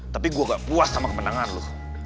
tapi gue gak puas sama kemenangan lo